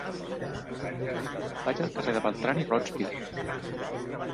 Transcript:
Vaig al carrer de Beltrán i Rózpide.